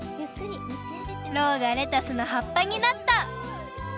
ろうがレタスのはっぱになった！